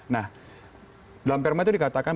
nah dalam perma itu dikatakan